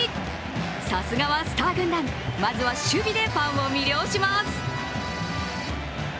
さすがはスター軍団、まずは守備でファンを魅了します。